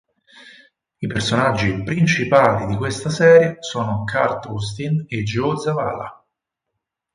I personaggi principali di questa serie sono Kurt Austin e Joe Zavala.